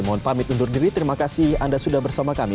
mohon pamit undur diri terima kasih anda sudah bersama kami